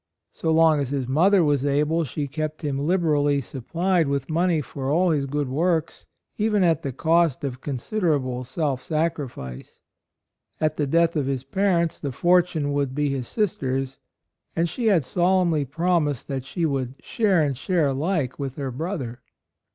So long as his mother was able she kept him liberally supplied with money for all his good works, even at the cost of considerable self sacrifice. At the death of his parents the fortune would be his sister's, and she had AND MOTHER. 89 solemnly promised that she would "share and share alike" with her brother.